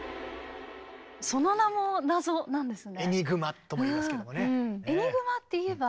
その名も「謎」なんですね。